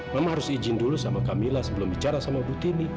mama harus izin dulu sama camilla sebelum bicara sama bu tini